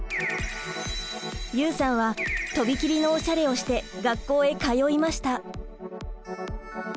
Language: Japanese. ユウさんはとびきりのおしゃれをして学校へ通いました！